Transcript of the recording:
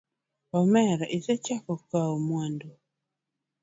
Omera isechako kawo mwandu.